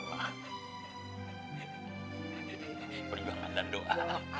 perjuangan dan doa